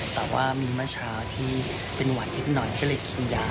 แต่ว่ามีเมื่อเช้าที่เป็นหวัดนิดหน่อยก็เลยกินยา